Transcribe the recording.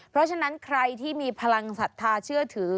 เพราะฉะนั้นใครที่มีพลังศรัทธาเชื่อถือ